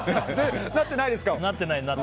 なってないですか？